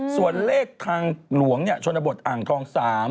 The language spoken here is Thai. ส่วนเลขทางหลวงเนี่ยชนบทอ่างทอง๓๐๒๗